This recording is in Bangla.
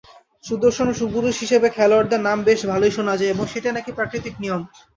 সুদর্শন-সুপুরুষ হিসেবে খেলোয়াড়দের নাম বেশ ভালোই শোনা যায় এবং সেটাই নাকি প্রাকৃতিক নিয়ম।